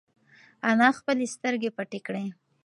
انا خپلې سترگې پټې کړې.